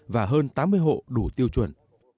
và hơn tám mươi hộ đủ tiêu chuẩn